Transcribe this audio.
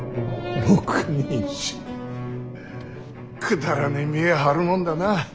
くだらねえ見え張るもんだなあ。